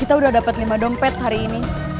kita udah dapat lima dompet hari ini